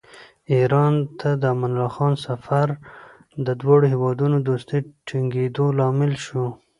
ایران ته د امان الله خان سفر د دواړو هېوادونو دوستۍ ټینګېدو لامل شو.